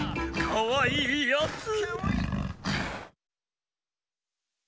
かわいいやつ！